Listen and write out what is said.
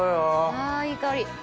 あいい香り。